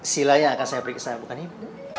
sila yang akan saya periksa bukan ibu